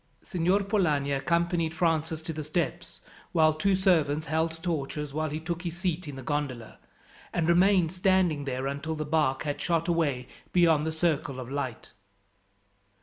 Signor Polani accompanied Francis to the steps, while two servants held torches while he took his seat in the gondola, and remained standing there until the barque had shot away beyond the circle of light.